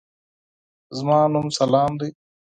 زما نوم سلام دی.